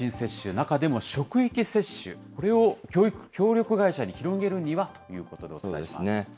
中でも、職域接種、これを協力会社に広げるにはということで、お伝えします。